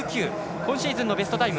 今シーズンのベストタイム